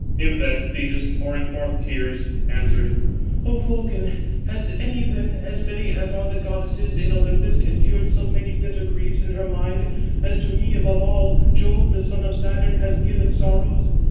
Him then Thetis, pouring forth tears, answered: "O Vulcan, has any then, as many as are the goddesses in Olympus, endured so many bitter griefs in her mind, as, to me above all, Jove, the son of Saturn, has given sorrows?